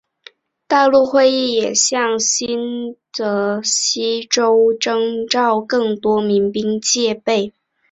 大陆议会也向新泽西州征召更多民兵戒备。